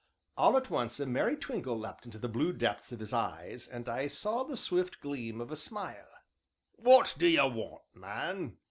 All at once a merry twinkle leapt into the blue depths of his eyes, and I saw the swift gleam of a smile. "What do 'ee want man?"